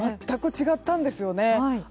全く違ったんですよね。